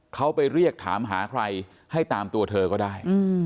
เขาไปเรียกถามหาใครให้ตามตัวเธอก็ได้